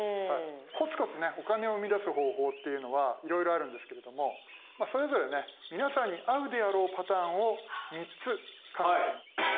コツコツねお金をうみだす方法っていうのはいろいろあるんですけれどもそれぞれね皆さんに合うであろうパターンを３つ考えて。